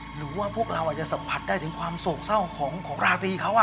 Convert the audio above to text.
หรือว่าพวกเราอาจจะสัมผัสได้ถึงความโศกเศร้าของราตรีเขา